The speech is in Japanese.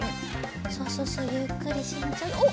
そうそうそうゆっくりしんちょうにおっ！